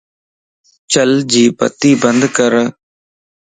چل جي بتي بندڪر